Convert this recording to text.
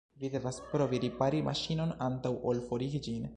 Vi devas provi ripari maŝinon antaŭ ol forigi ĝin.